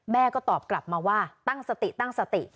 แม่ก็ตอบกลับมาว่าตั้งสติตั้งสติ